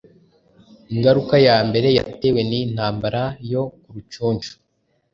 Ingaruka ya mbere yatewe n’iyi ntambara yo ku Rucunshu